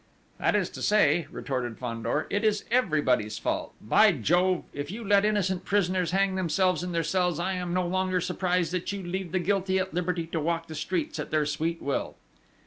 "That is to say," retorted Fandor, "it is everybody's fault! By Jove! If you let innocent prisoners hang themselves in their cells, I am no longer surprised that you leave the guilty at liberty to walk the streets at their sweet will!"